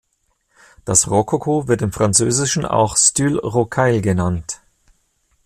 Das Rokoko wird im Französischen auch "style rocaille" genannt.